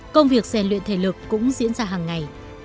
công việc rèn luyện thể lực cũng diễn ra hàng ngày